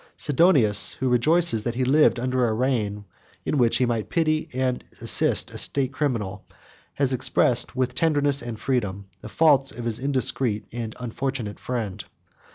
Sidonius, who rejoices that he lived under a reign in which he might pity and assist a state criminal, has expressed, with tenderness and freedom, the faults of his indiscreet and unfortunate friend.